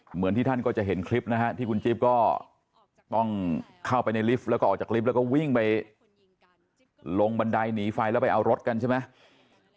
เหมือนที่ท่านก็จะเห็นคลิปนะฮะที่คุณจิ๊บก็ต้องเข้าไปในลิฟต์แล้วก็ออกจากลิฟต์แล้วก็วิ่งไปลงบันไดหนีไฟแล้วไปเอารถกันใช่ไหม